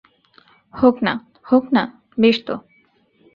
হোক না, হোক না, বেশ তো।